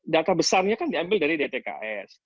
data besarnya kan diambil dari dtks